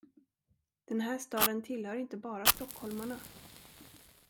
Den här staden tillhör inte bara stockholmarna.